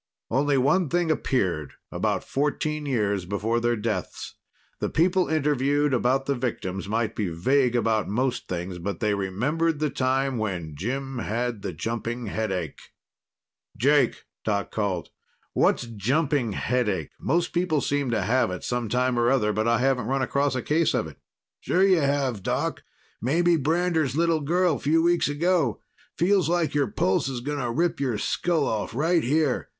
Only one thing appeared, about fourteen years before their deaths. The people interviewed about the victims might be vague about most things, but they remembered the time when "Jim had the jumping headache." "Jake," Doc called, "what's jumping headache? Most people seem to have it some time or other, but I haven't run across a case of it." "Sure you have, Doc. Mamie Brander's little girl a few weeks ago. Feels like your pulse is going to rip your skull off, right here.